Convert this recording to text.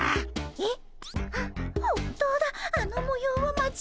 えっ？